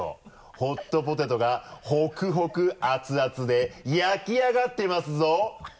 ホットポテトがホクホクアツアツで焼き上がってますぞ！